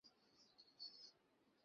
কিন্তু আমরা আমাদের চেষ্টা চালিয়ে যাবো।